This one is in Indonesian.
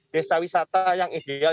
desa wisata yang ideal